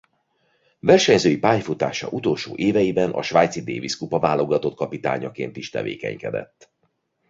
Versenyzői pályafutása utolsó éveiben a svájci Davis-kupa-válogatott kapitányaként is tevékenykedett.